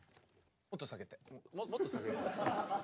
もっと下げてもっと下げて。